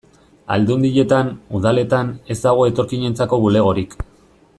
Aldundietan, udaletan, ez dago etorkinentzako bulegorik.